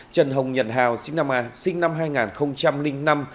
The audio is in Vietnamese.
trần hồng nhận hào sinh năm hai nghìn năm